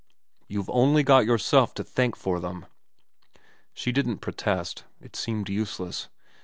' You've only got yourself to thank for them.' She didn't protest. It seemed useless.